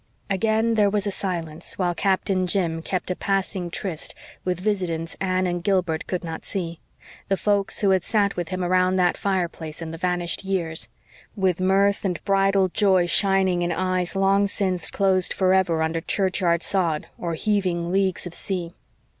Again there was a silence, while Captain Jim kept a passing tryst with visitants Anne and Gilbert could not see the folks who had sat with him around that fireplace in the vanished years, with mirth and bridal joy shining in eyes long since closed forever under churchyard sod or heaving leagues of sea.